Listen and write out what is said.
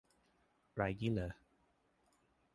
ไรงี้เหรอ